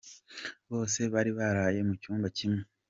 Bose bari baraye mu cyumba kimwe.